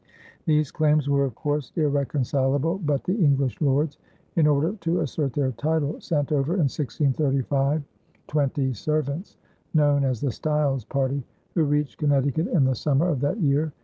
These claims were of course irreconcilable, but the English lords, in order to assert their title, sent over in 1635 twenty servants, known as the Stiles party, who reached Connecticut in the summer of that year.